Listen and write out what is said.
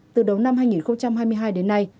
từ đầu năm hai nghìn hai mươi hai đến nay